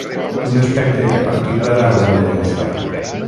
Un aspecte que a partir d’ara hauran de negociar.